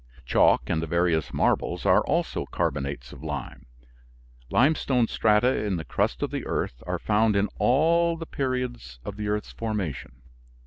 Chalk and the various marbles are also carbonates of lime. Limestone strata in the crust of the earth are found in all the periods of the earth's formation.